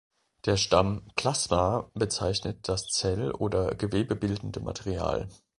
Der Stamm „-plasma“ bezeichnet das zell- oder gewebebildende Material.